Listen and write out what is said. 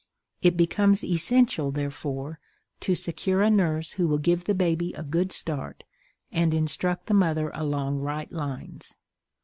It becomes essential, therefore, to secure a nurse who will give the baby a good start, and instruct the mother along right lines.